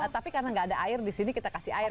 tapi karena nggak ada air di sini kita kasih air